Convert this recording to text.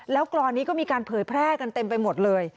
แล้วกรอนนี้ก็มีการเผยแพร่กันเต็มไปหมดเลย